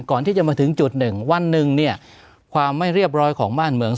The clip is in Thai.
ก่อนที่จะมาถึงจุดหนึ่งวันหนึ่งเนี่ยความไม่เรียบร้อยของบ้านเมือง